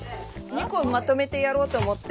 ２個まとめてやろうと思って。